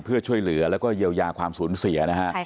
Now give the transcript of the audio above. เพื่อช่วยเหลือและเยียวยาความสูญเสีย